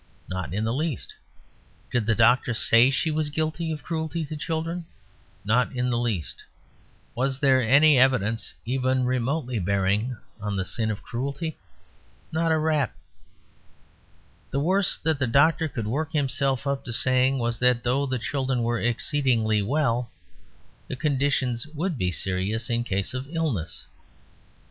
Not in the least. Did the doctor say she was guilty of cruelty to children? Not in the least. Was these any evidence even remotely bearing on the sin of cruelty? Not a rap. The worse that the doctor could work himself up to saying was that though the children were "exceedingly" well, the conditions would be serious in case of illness.